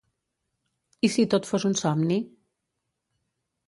i si tot fos un somni?